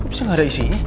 kok bisa gak ada isinya